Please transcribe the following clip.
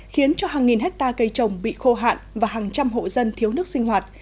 khiến cho hàng nghìn hectare cây trồng bị khô hạn và hàng trăm hộ dân thiếu nước sinh hoạt